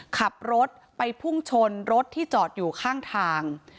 ขับรถไปพุ่งชนรถที่จอดอยู่ข้างทาง